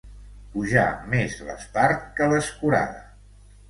Pujar més l'espart que l'escurada.